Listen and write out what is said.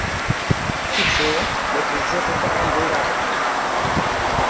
Bwe tutyo bwe tuzze tutambula.